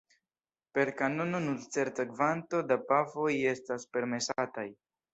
Per kanono nur certa kvanto da pafoj estas permesataj.